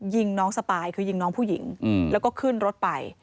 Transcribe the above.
ยิงน้องสปายคือยิงน้องผู้หญิงแล้วก็ขึ้นรถไป